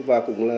và cũng là